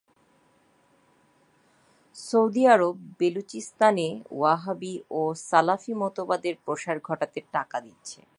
Saudi আরব বেলুচিস্তানে ওয়াহাবি ও সালাফি মতবাদের প্রসার ঘটাতে টাকা দিচ্ছে।